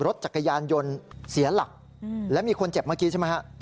รถจักรยานยนต์เสียหลักและมีคนเจ็บเมื่อกี้ใช่ไหมฮะ